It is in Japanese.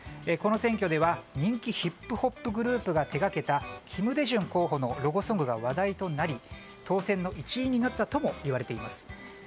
この選挙では人気ヒップホップグループが手がけた金大中候補のロゴソングが話題となり当選の一因になったともいわれています。